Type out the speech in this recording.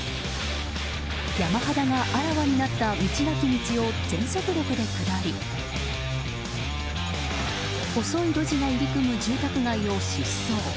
山肌があらわになった道なき道を全速力で下り細い路地が入り組む住宅街を疾走。